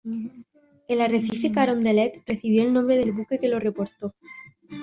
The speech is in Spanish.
El arrecife Carondelet recibió el nombre del buque que lo reportó.